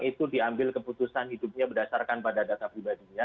itu diambil keputusan hidupnya berdasarkan pada data pribadinya